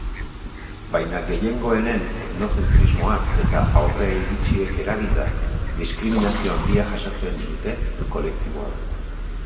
Baina gehiengoenen etnozentrismoak eta aurreiritziek eraginda, diskriminazio handia jasaten duen kolektiboa da.